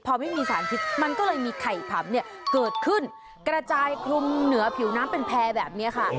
พอไม่มีสารพิษมันก็เลยมีไข่ผำเนี่ยเกิดขึ้นกระจายคลุมเหนือผิวน้ำเป็นแพร่แบบนี้ค่ะ